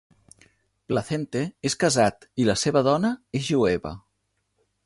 Placente és casat i la seva dona és jueva.